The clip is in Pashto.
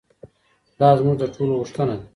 دا زموږ د ټولو غوښتنه ده.